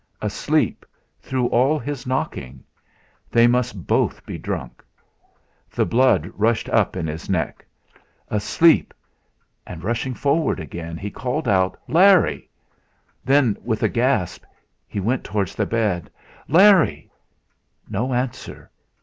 Asleep through all his knocking! They must both be drunk. The blood rushed up in his neck. Asleep! And rushing forward again, he called out: "Larry!" Then, with a gasp he went towards the bed. "Larry!" No answer!